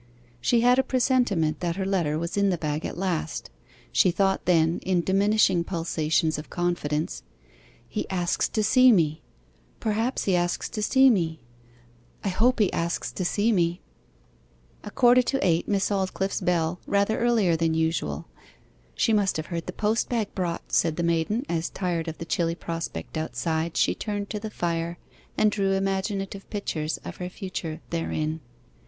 She had a presentiment that her letter was in the bag at last. She thought then in diminishing pulsations of confidence, 'He asks to see me! Perhaps he asks to see me: I hope he asks to see me.' A quarter to eight: Miss Aldclyffe's bell rather earlier than usual. 'She must have heard the post bag brought,' said the maiden, as, tired of the chilly prospect outside, she turned to the fire, and drew imaginative pictures of her future therein.